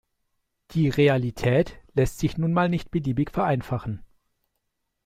Die Realität lässt sich nun mal nicht beliebig vereinfachen.